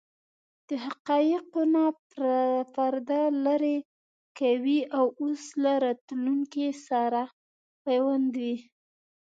د حقایقو نه پرده لرې کوي او اوس له راتلونکې سره پیوندوي.